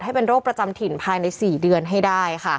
ให้เป็นโรคประจำถิ่นภายใน๔เดือนให้ได้ค่ะ